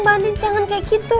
bandit jangan kayak gitu